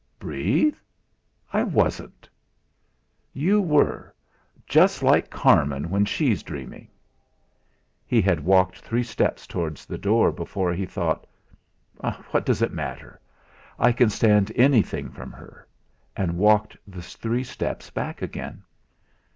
"Breathe? I wasn't!" "You were; just like Carmen when she's dreaming." He had walked three steps towards the door, before he thought: 'What does it matter? I can stand anything from her; and walked the three steps back again.